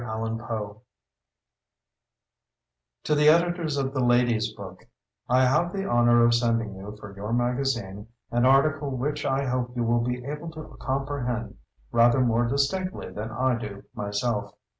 ] MELLONTA TAUTA TO THE EDITORS OF THE LADY'S BOOK: I have the honor of sending you, for your magazine, an article which I hope you will be able to comprehend rather more distinctly than I do myself.